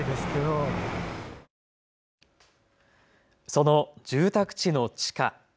その住宅地の地価。